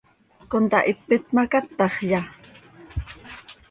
¿Contahipit ma, cátaxya?